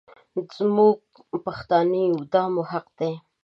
مونږ پښتانه يو دا مو حق دی.